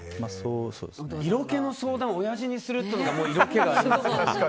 色気の相談をおやじにするっていうのがもう色気がありますね。